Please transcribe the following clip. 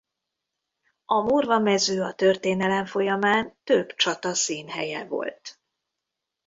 A Morva-mező a történelem folyamán több csata színhelye volt.